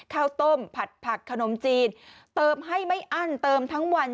ข้าวต้มผัดผักขนมจีนเติมให้ไม่อั้นเติมทั้งวัน